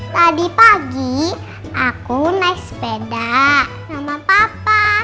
tadi pagi aku naik sepeda nama papa